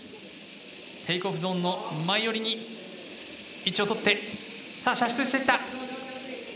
テイクオフゾーンの前寄りに位置をとってさあ射出していった。